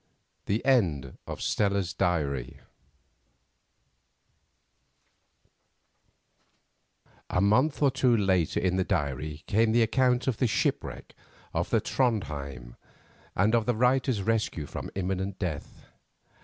THE END OF STELLA'S DIARY A month or two later in the diary came the account of the shipwreck of the Trondhjem and of the writer's rescue from imminent death.